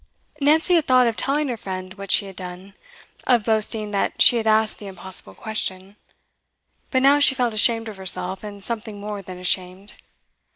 Nancy had thought of telling her friend what she had done, of boasting that she had asked the impossible question. But now she felt ashamed of herself, and something more than ashamed.